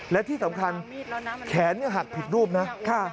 และที่สำคัญแขนหักผิดรูปนะ